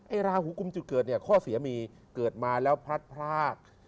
ราหูกุมจุดเกิดเนี่ยข้อเสียมีเกิดมาแล้วพลัดพราก